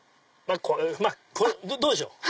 これどうでしょう？